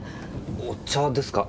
お茶ですか？